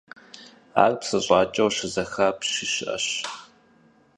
Ар псы щӀакӀэу щызэхапщи щыӀэщ.